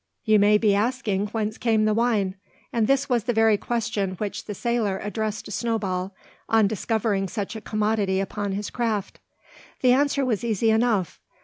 You may be asking whence came the wine; and this was the very question which the sailor addressed to Snowball, on discovering such a commodity upon his craft. The answer was easy enough.